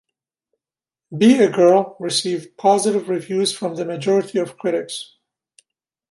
"Be a Girl" received positive reviews from the majority of critics.